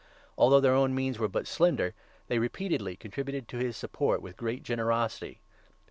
Although their own means were but slender, they repeatedly contributed to his support with great generosity (Phil.